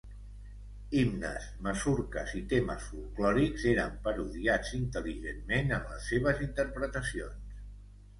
Himnes, masurques i temes folklòrics eren parodiats intel·ligentment en les seves interpretacions.